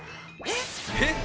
えっ！